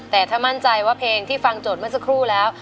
แต่ถ้ามั่นใจว่าเพลงที่ฟังโจทย์เมื่อสักครู่แล้ว